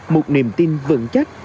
một niềm tin vững chắc